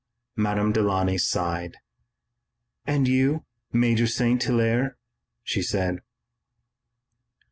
Madame Delaunay sighed. "And you, Major St. Hilaire?" she said.